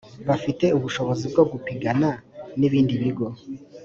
bafite ubushobozi bwo gupigana n ibindi bigo